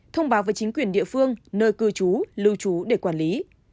thông báo với chính quyền địa phương nơi cư trú lưu trú để quản lý